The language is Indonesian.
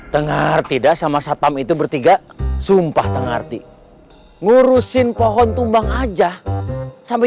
tengah arti dah sama satpam itu bertiga sumpah tengah arti ngurusin pohon tumbang aja sampai